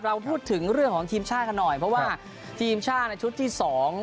เราพูดถึงเรื่องของทีมชาติกันหน่อยเพราะว่าทีมชาติในชุดที่สอง